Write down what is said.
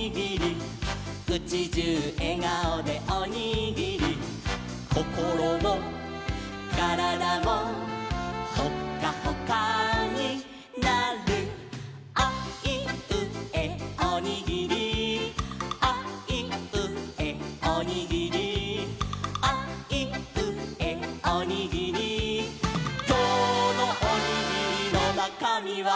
「うちじゅうえがおでおにぎり」「こころもからだも」「ホッカホカになる」「あいうえおにぎり」「あいうえおにぎり」「あいうえおにぎり」「きょうのおにぎりのなかみは？」